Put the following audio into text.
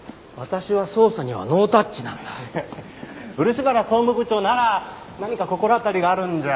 漆原総務部長なら何か心当たりがあるんじゃ？